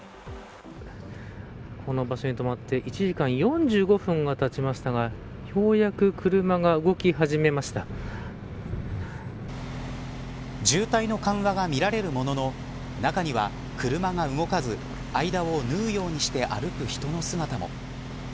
この場所に止まって１時間４５分がたちましたが渋滞の緩和が見られるものの中には、車が動かず間を縫うようにして歩く人の姿も。